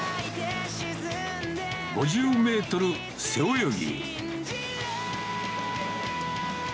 ５０メートル背泳ぎ。